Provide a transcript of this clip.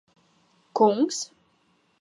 Kungs?